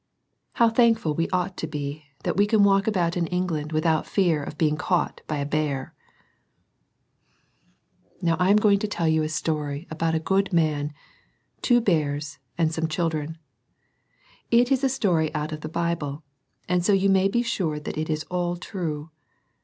How thankful we ought to be, that we can walk about in England without fear of being caught by a bear ! Now I am going to tell you a story about a good man, two bears, and some children. It is a story out of the Bible, and so you may be sure that it is all true.